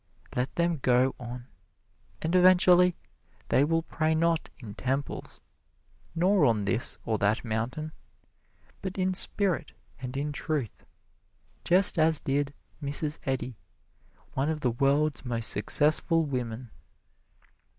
Let them go on and eventually they will pray not in temples nor on this or that mountain, but in spirit and in truth, just as did Mrs. Eddy, one of the world's most successful women.